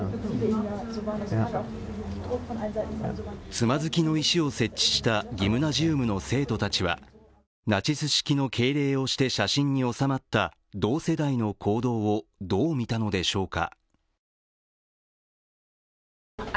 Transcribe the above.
つまずきの石を設置したギムナジウムの生徒たちはナチス式の敬礼をして写真に収まった同世代の行動を、どう見たのでしょうか。